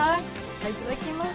じゃいただきます。